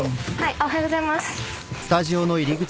おはようございます。